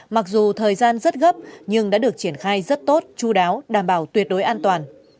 mặc dù thời gian rất gấp nhưng đã được triển khai rất tốt chú đáo đảm bảo tuyệt đối an toàn